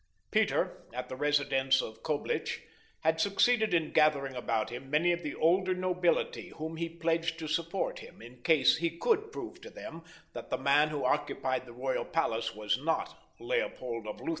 Peter, at the residence of Coblich, had succeeded in gathering about him many of the older nobility whom he pledged to support him in case he could prove to them that the man who occupied the royal palace was not Leopold of Lutha.